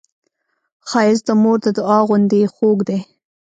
ښایست د مور د دعا غوندې خوږ دی